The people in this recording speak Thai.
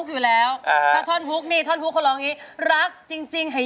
ยืมต่างถึงนี้ก็ได้นะครับ